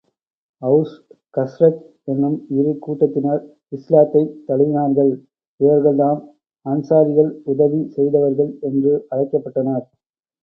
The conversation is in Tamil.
ஒளஸ், கஸ்ரஜ் என்னும் இரு கூட்டத்தினர் இஸ்லாத்தைத் தழுவினார்கள் இவர்கள்தாம் அன்ஸாரிகள் உதவி செய்தவர்கள் என்று அழைக்கப்பட்டனர்.